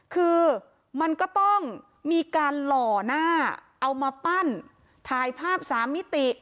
คือมันก็ต้องมีการหล่อหน้าเอามาปั้นถ่ายภาพสามมิติ